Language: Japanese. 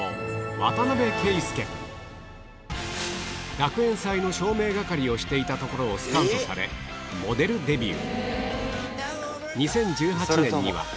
学園祭の照明係をしていたところをモデルデビュー